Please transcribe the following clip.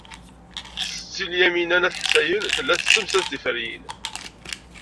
Setti Lyamina n At Ḥsayen tella tessemsad tiferyin.